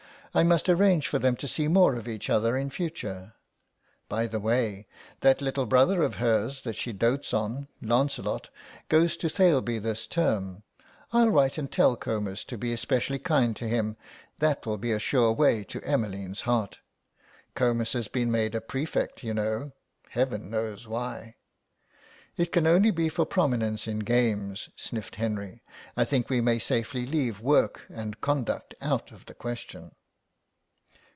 "I must arrange for them to see more of each other in future. By the way, that little brother of hers that she dotes on, Lancelot, goes to Thaleby this term. I'll write and tell Comus to be specially kind to him; that will be a sure way to Emmeline's heart. Comus has been made a prefect, you know. Heaven knows why." "It can only be for prominence in games," sniffed Henry; "I think we may safely leave work and conduct out of the question."